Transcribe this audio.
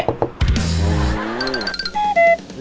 ไอ้หมอพี่